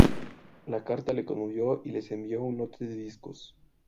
La carta le conmovió y les envió un lote de discos.